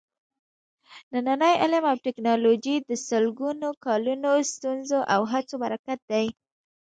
نننی علم او ټېکنالوجي د سلګونو کالونو ستونزو او هڅو برکت دی.